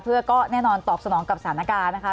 เพื่อก็แน่นอนตอบสนองกับสถานการณ์นะคะ